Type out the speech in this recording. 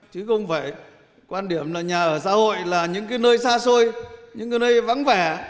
chứ không phải quan điểm là nhà ở xã hội là những cái nơi xa xôi những cái nơi vắng vẻ